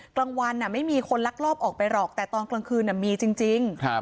กลางวันไม่มีคนลักลอบออกไปหรอกแต่ตอนกลางคืนมีจริง